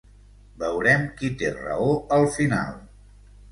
Veurem qui té raó al final.